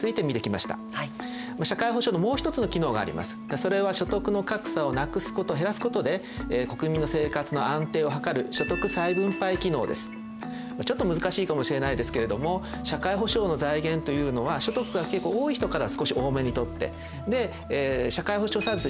それは所得の格差をなくすこと減らすことで国民の生活の安定を図るちょっと難しいかもしれないですけれども社会保障の財源というのは所得が結構多い人から少し多めに取ってで社会保障サービス